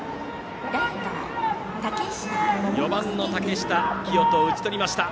４番の竹下聖人を打ち取りました。